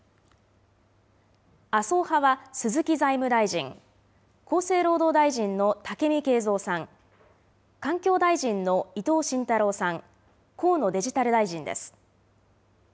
麻生派は鈴木財務大臣、厚生労働大臣の武見敬三さん、環境大臣の伊藤信太郎さん、河野デジタル大臣です。